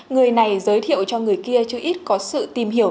người này giới thiệu cho người kia chưa ít có sự tìm hiểu